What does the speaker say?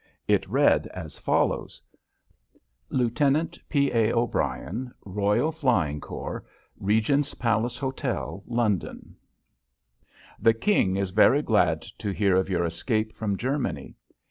It read as follows: Lieut. P. A. O'Brien, Royal Flying Corps, Regent's Palace Hotel, London: The King is very glad to hear of your escape from Germany.